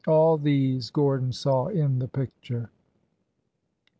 All these Gordon saw in the picture.